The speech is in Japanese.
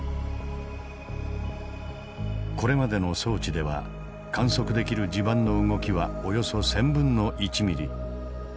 これまでの装置では観測できる地盤の動きはおよそ１０００分の１ミリ。